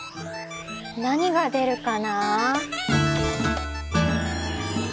何が出るかな。